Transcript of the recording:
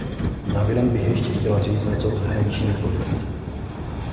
Závěrem bych ještě chtěla říci něco o zahraniční politice.